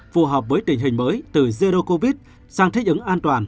phù hợp với tình hình mới từ dây đô covid sang thích ứng an toàn